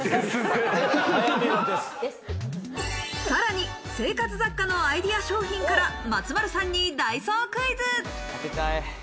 さらに生活雑貨のアイデア商品から松丸さんにダイソークイズ。